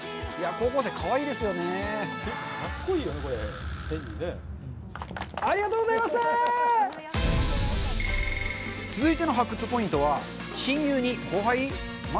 高校生かわいいですよねありがとうございました続いての「発掘！